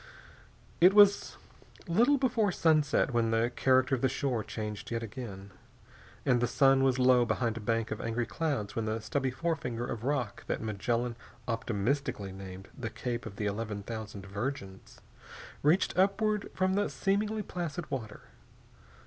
It was little before sunset when the character of the shore changed yet again, and the sun was low behind a bank of angry clouds when the stubby forefinger of rock that Magellan optimistically named the Cape of the Eleven Thousand Virgins reached upward from the seemingly placid water.